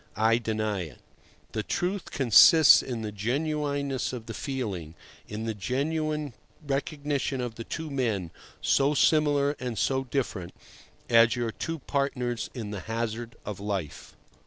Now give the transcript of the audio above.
I deny it. The truth consists in the genuineness of the feeling, in the genuine recognition of the two men, so similar and so different, as your two partners in the hazard of life.